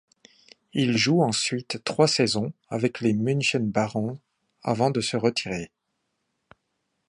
Il joue ensuite trois saisons avec les München Barons avant de se retirer.